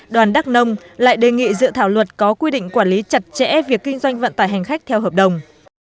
đoàn đắk nông lại đề nghị dự thảo luật có quy định quản lý chặt chẽ việc kinh doanh vận tải hành khách theo hợp đồng